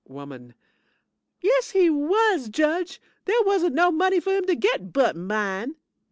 WOMAN Yes he was, Judge. There wasn't no money for him to git but mine.